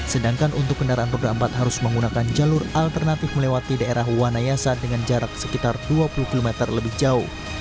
sedangkan untuk kendaraan roda empat harus menggunakan jalur alternatif melewati daerah wanayasa dengan jarak sekitar dua puluh km lebih jauh